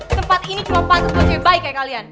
tempat ini cuma pantas buat cewek baik kayak kalian